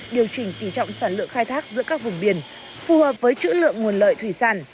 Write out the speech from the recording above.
điều chỉnh tỉ trọng sản lượng khai thác giữa các vùng biển phù hợp với chữ lượng nguồn lợi thủy sản